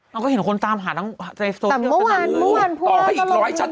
มันก็เห็นคนตามหาทั้งเทศโทรเที่ยวกัน